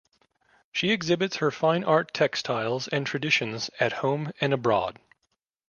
She exhibits her fine art textiles and traditions at home and abroad.